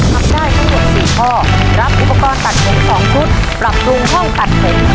ทำได้ทั้ง๔ข้อรับอุปกรณ์ตัดสน๒ชุดปรับรวมห้องตัดสน